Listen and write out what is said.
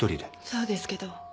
そうですけど。